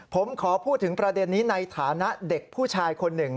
ผมขอพูดถึงประเด็นนี้ในฐานะเด็กผู้ชายคนหนึ่ง